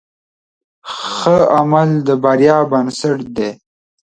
ښه عمل د بریا بنسټ دی.